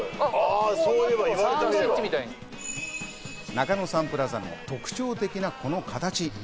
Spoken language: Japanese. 中野サンプラザの特徴的なこの形。